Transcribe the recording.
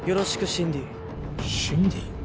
シンディー？